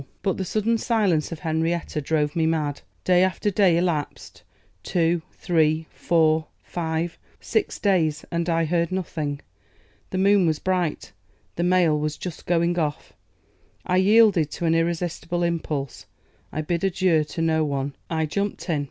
But the sudden silence of Henrietta drove me mad. Day after day elapsed; two, three, four, five, six days, and I heard nothing. The moon was bright; the mail was just going off. I yielded to an irresistible impulse. I bid adieu to no one. I jumped in.